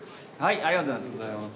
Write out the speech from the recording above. ありがとうございます。